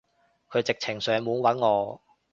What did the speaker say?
佢直情上門搵我